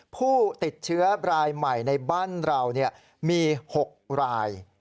ผู้ติดเชื้อรายใหม่ในบ้านเรามี๖ราย